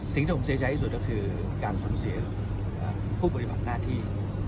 สิ่งที่ผมเสียใจที่สุดก็คือการสูญเสียผู้ปฏิบัติหน้าที่